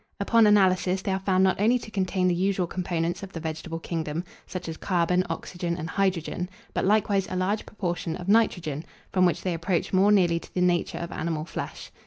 Upon analysis, they are found not only to contain the usual components of the vegetable kingdom, such as carbon, oxygen, and hydrogen, but likewise a large proportion of nitrogen; from which they approach more nearly to the nature of animal flesh.